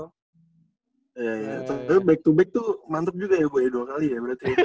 ya ya tapi back to back tuh mantep juga ya gue ya dua kali ya berarti